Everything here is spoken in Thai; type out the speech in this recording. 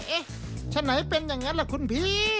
เอ๊ะฉะไหนเป็นอย่างนั้นล่ะคุณพี่